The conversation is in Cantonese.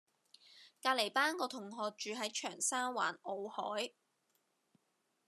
隔離班個同學住喺長沙灣傲凱